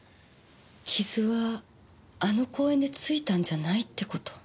傷はあの公園でついたんじゃないって事？